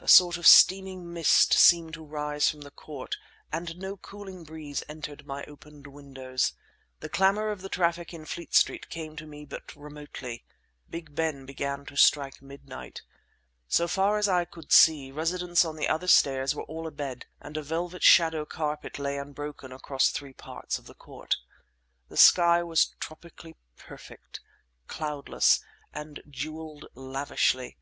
A sort of steaming mist seemed to rise from the court, and no cooling breeze entered my opened windows. The clamour of the traffic in Fleet Street came to me but remotely. Big Ben began to strike midnight. So far as I could see, residents on the other stairs were all abed and a velvet shadow carpet lay unbroken across three parts of the court. The sky was tropically perfect, cloudless, and jewelled lavishly.